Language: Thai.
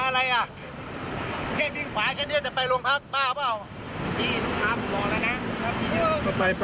ลูกน้องมีปัญหาอะไรอ่ะ